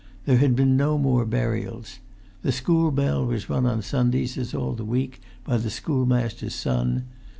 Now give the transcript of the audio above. There had been no more burials. The school bell was rung on Sundays, as all the week, by the schoolmaster's son.